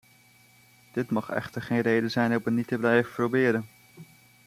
Dit mag echter geen reden zijn om het niet te blijven proberen.